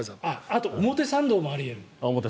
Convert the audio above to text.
あと表参道もあり得る。